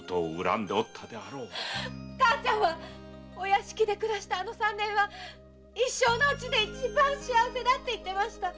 母ちゃんはお屋敷で暮らしたあの三年は一生のうちで一番幸せだと言ってました！